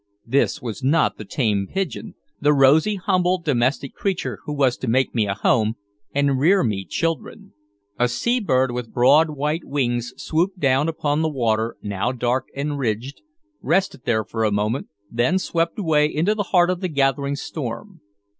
This was not the tame pigeon, the rosy, humble, domestic creature who was to make me a home and rear me children. A sea bird with broad white wings swooped down upon the water, now dark and ridged, rested there a moment, then swept away into the heart of the gathering storm.